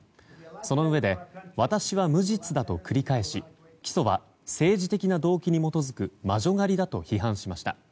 そのうえで私は無実だと繰り返し起訴は政治的な動機に基づく魔女狩りだと批判しました。